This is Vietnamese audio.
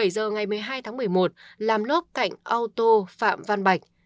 một mươi bảy giờ ngày một mươi hai tháng một mươi một làm lốt cạnh ô tô phạm văn bạch